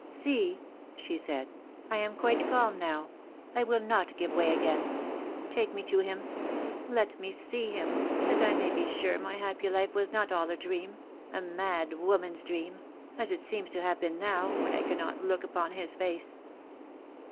"See," she said, "I am quite calm now. I will not give way again. Take me to him. Let me see him — that I may be sure my happy life was not all a dream — a mad woman's dream — as it seems to have been now, when I cannot look upon his face."